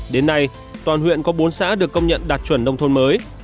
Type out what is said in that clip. đến nay toàn huyện có bốn xã được công nhận đạt chuẩn nông thôn mới